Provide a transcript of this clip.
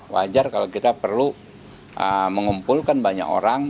wajar kalau kita perlu mengumpulkan banyak orang